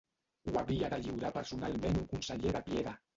Ho havia de lliurar personalment un conseller de Piera.